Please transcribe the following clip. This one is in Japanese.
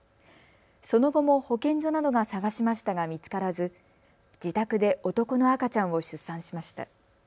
その後も保健所などが探しましたが見つからず自宅で男の赤ちゃんを出産しました。